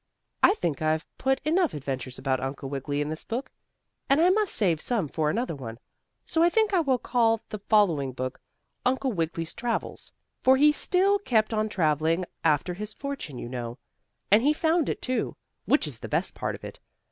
I think I've put enough adventures about Uncle Wiggily in this book, and I must save some for another one. So I think I will call the following book "Uncle Wiggily's Travels," for he still kept on traveling after his fortune you know. And he found it, too, which is the best part of it.